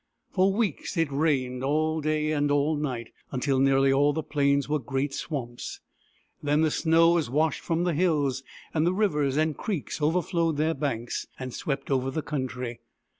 For weeks it rained all day and all night, until nearly all the plains were great swamps. Then the snow was washed from the hills, and the rivers and creeks overflowed their banks, and swept over the country.